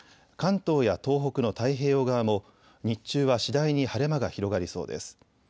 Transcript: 関東や東北の太平洋側も日中は次第に晴れ間が広がりそうです。